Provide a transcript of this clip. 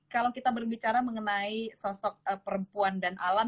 kalau kita berbicara mengenai sosok perempuan dan alam